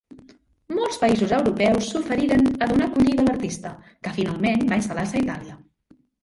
Molts països europeus s'oferiren a donar acollida a l'artista, que finalment va instal·lar-se a Itàlia.